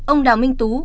ông đào minh tú